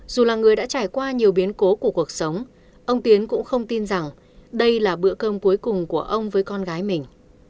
dù là người đã trải qua nhiều biến cố của cuộc sống ông tiến cũng không tin rằng đây là bữa cơm cuối cùng của ông với con gái mình